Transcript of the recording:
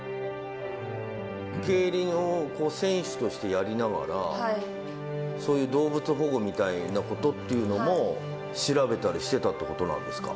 競輪を選手としてやりながら、そういう動物保護みたいなことっていうのも、調べたりしてたってことなんですか。